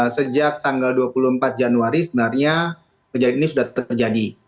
sejak tanggal dua puluh empat januari sebenarnya kejadian ini sudah terjadi